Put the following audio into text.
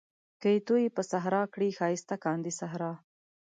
که يې تويې په صحرا کړې ښايسته کاندي صحرا